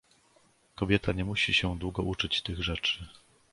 — Kobieta nie musi się długo uczyć tych rzeczy.